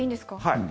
はい。